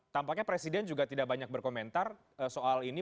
tampaknya presiden juga tidak banyak berkomentar soal ini